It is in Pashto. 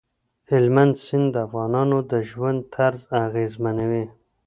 هلمند سیند د افغانانو د ژوند طرز اغېزمنوي.